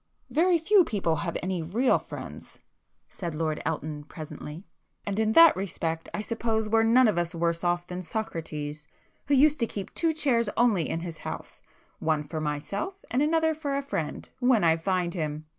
"Very few people have any real friends,"—said Lord Elton presently. "And in that respect I suppose we're none of us worse off than Socrates, who used to keep two chairs only in his house 'one for myself, and another for a friend—when I find him!